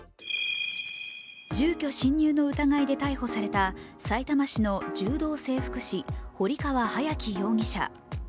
住居侵入の疑いで逮捕されたさいたま市の柔道整復師、堀川隼貴容疑者。